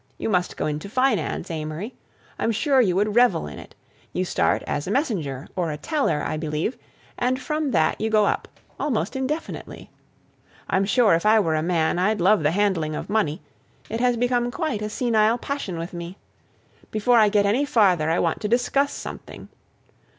You must go into finance, Amory. I'm sure you would revel in it. You start as a messenger or a teller, I believe, and from that you go up—almost indefinitely. I'm sure if I were a man I'd love the handling of money; it has become quite a senile passion with me. Before I get any farther I want to discuss something.